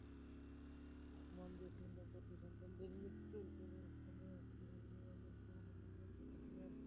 আমান-জেসমিন দম্পতি সন্তানদের মৃত্যুর খবর শুনে জরুরি বিভাগের সামনে নির্বাক বসে ছিলেন।